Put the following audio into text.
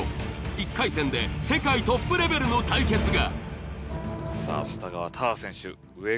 １回戦で世界トップレベルの対決が！